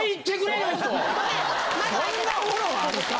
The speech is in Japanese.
そんなフォローあるか？